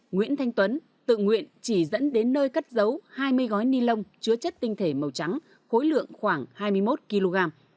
nguyễn thanh tuấn tự nguyện chỉ dẫn đến nơi cất giấu hai mươi gói ni lông chứa chất tinh thể màu trắng khối lượng khoảng hai mươi một kg